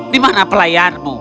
di mana pelayarmu